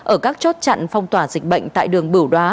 ở các chốt chặn phong tỏa dịch bệnh tại đường bửu đóa